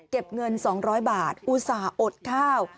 เก็บเงิน๒๐๐บาทอุตส่าห์อดข้าว